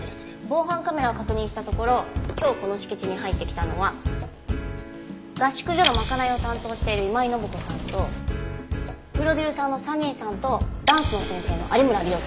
防犯カメラを確認したところ今日この敷地に入ってきたのは合宿所の賄いを担当している今井のぶ子さんとプロデューサーのサニーさんとダンスの先生の有村理央さん。